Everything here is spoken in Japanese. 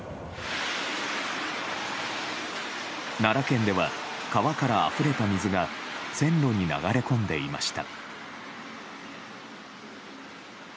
奈良県では川からあふれた水が線路に流れ込んでいました。